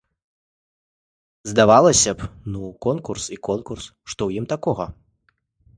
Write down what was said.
Здавалася б, ну конкурс і конкурс, што ў ім такога.